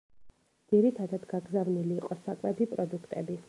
ძირითადად გაგზავნილი იყო საკვები პროდუქტები.